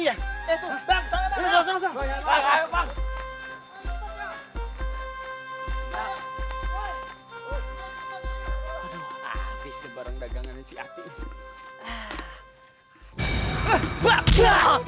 aduh abis deh barang dagangan si ati